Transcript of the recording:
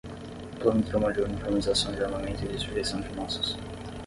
o Plano Truman de uniformização de armamento e de sujeição de nossas